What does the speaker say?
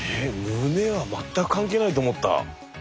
胸は全く関係ないと思った。